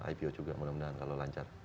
ipo juga mudah mudahan kalau lancar